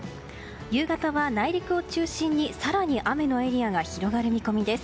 夕方は内陸を中心に更に雨のエリアが広がる見込みです。